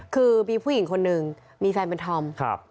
คือมีผู้หญิงคนหนึ่งมีแฟนเป็นธอม